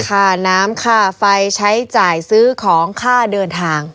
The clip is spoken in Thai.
ค่าน้ำค่าไฟใช้จ่ายซื้อของค่าเดินทาง